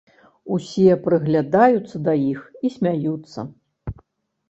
Усе прыглядаюцца да іх і смяюцца.